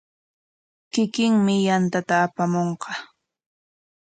Kikinmi yantata apamunqa.